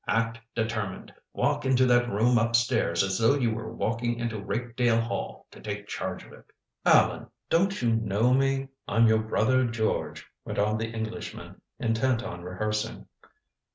Act determined. Walk into that room up stairs as though you were walking into Rakedale Hall to take charge of it." "Allan, don't you know me I'm your brother George," went on the Englishman, intent on rehearsing.